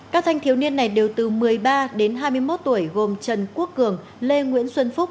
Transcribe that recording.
các thanh thiếu niên này đều từ một mươi ba đến hai mươi một tuổi gồm trần quốc cường lê nguyễn xuân phúc